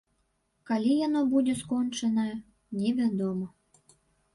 Калі яно будзе скончанае, невядома.